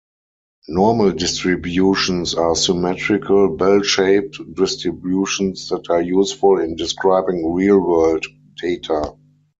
Normal distributions are symmetrical, bell-shaped distributions that are useful in describing real-world data.